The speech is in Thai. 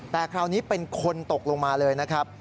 แต่คราวนี้เป็นคนตกลงมาเลยนะครับ